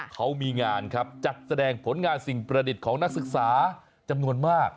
เขามีงานครับจัดแสดงผลงานสิ่งประดิษฐ์ของนักศึกษาจำนวนมาก